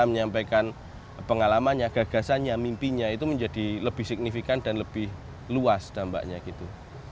menyampaikan pengalamannya gagasannya mimpinya itu menjadi lebih signifikan dan lebih luas dampaknya gitu